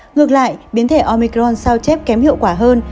ngược lại biến thẻ omicron sao chép kém hiệu quả hơn